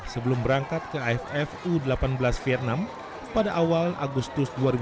sebelum berangkat ke aff u delapan belas vietnam pada awal agustus dua ribu delapan belas